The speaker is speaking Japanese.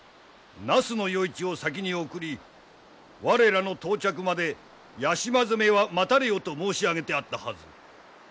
那須与一を先に送り我らの到着まで屋島攻めは待たれよと申し上げてあったはず。